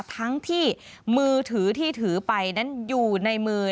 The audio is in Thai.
ทั้งที่มือถือที่ถือไปนั้นอยู่ในมือ